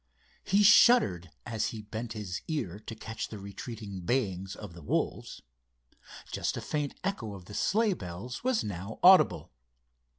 He shuddered as he bent his ear to catch the retreating bayings of the wolves. Just a faint echo of the sleigh bells was now audible.